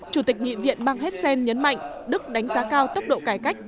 chủ tịch nghị viện bang hessen nhấn mạnh đức đánh giá cao tốc độ cải cách